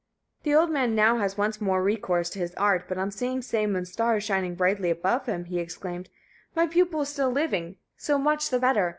The old man now has once more recourse to his art; but on seeing Sæmund's star shining brightly above him, he exclaimed: "My pupil is still living; so much the better.